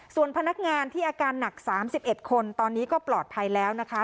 ส่วนพนักงานที่อาการหนัก๓๑คนตอนนี้ก็ปลอดภัยแล้วนะคะ